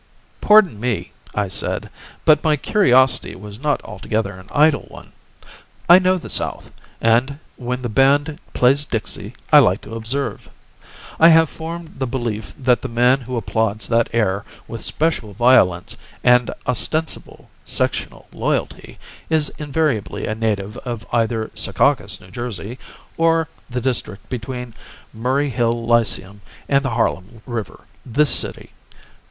"Pardon me," I said, "but my curiosity was not altogether an idle one. I know the South, and when the band plays 'Dixie' I like to observe. I have formed the belief that the man who applauds that air with special violence and ostensible sectional loyalty is invariably a native of either Secaucus, N.J., or the district between Murray Hill Lyceum and the Harlem River, this city.